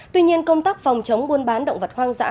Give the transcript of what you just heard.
tuy nhiên công tác phòng chống buôn bán động vật hoang dã